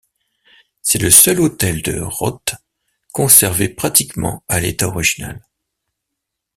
C'est le seul autel de Rodt conservé pratiquement à l’état originel.